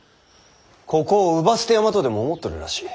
ここを姥捨て山とでも思っとるらしい。